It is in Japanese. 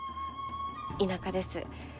田舎です。